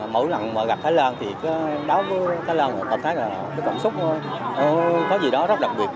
mỗi lần gặp thái lan thì đối với thái lan có cảm xúc có gì đó rất đặc biệt